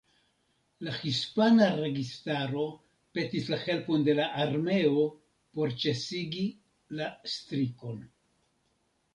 La hispana registaro petis la helpon de la armeo por ĉesigi la strikon.